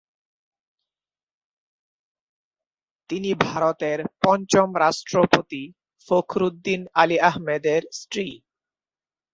তিনি ভারতের পঞ্চম রাষ্ট্রপতি ফখরুদ্দিন আলি আহমেদের স্ত্রী।